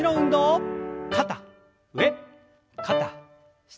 肩上肩下。